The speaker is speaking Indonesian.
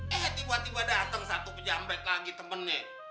eh tiba tiba dateng satu pejamret lagi temennya